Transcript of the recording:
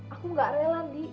aku gak rela ndi